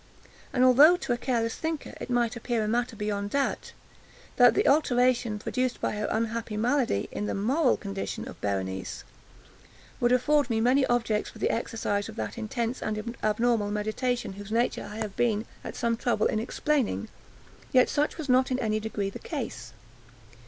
And although, to a careless thinker, it might appear a matter beyond doubt, that the alteration produced by her unhappy malady, in the moral condition of Berenice, would afford me many objects for the exercise of that intense and abnormal meditation whose nature I have been at some trouble in explaining, yet such was not in any degree the case.